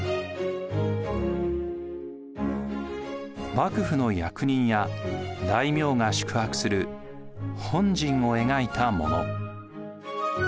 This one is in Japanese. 幕府の役人や大名が宿泊する本陣を描いたもの。